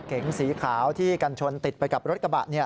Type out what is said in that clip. เก๋งสีขาวที่กันชนติดไปกับรถกระบะ